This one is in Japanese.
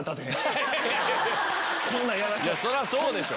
そりゃそうでしょ。